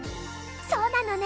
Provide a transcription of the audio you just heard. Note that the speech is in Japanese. そうなのね。